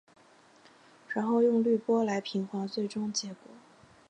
然后用滤波来平滑最终结果。